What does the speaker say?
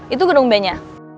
itu gedung benya